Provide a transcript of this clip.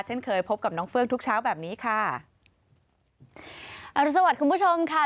เช่นเคยพบกับน้องเฟื้องทุกเช้าแบบนี้ค่ะอรุณสวัสดิ์คุณผู้ชมค่ะ